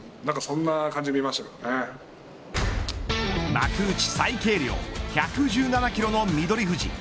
幕内最軽量１１７キロの翠富士。